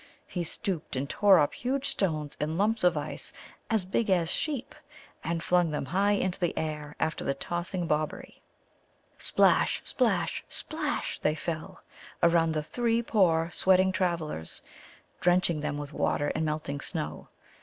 He stooped and tore up huge stones and lumps of ice as big as a sheep, and flung them high into the air after the tossing Bobberie. Splash, splash, splash, they fell, around the three poor sweating travellers, drenching them with water and melting snow.